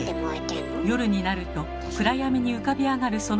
夜になると暗闇に浮かび上がる